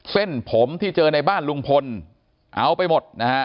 เส้นผมที่เจอในบ้านลุงพลเอาไปหมดนะฮะ